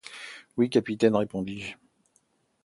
Oui, capitaine, répondis-je.